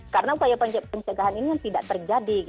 karena upaya upaya pencegahan ini tidak terjadi